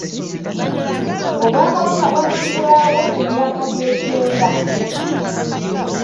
Obwakabaka bwazzibwawo mu myaka gy'ekyenda.